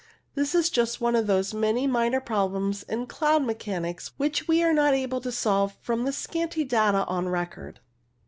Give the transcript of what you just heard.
This is just one of those many minor problems in cloud mechanics which we are not able to solve from the scanty data on record.